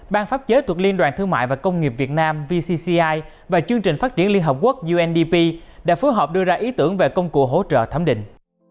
ban pháp chế thuộc liên đoàn thương mại và công nghiệp việt nam và chương trình phát triển liên hợp quốc đã phù hợp đưa ra ý tưởng về công cụ hỗ trợ thấm định